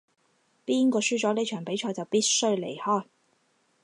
邊個輸咗呢場比賽就必須離開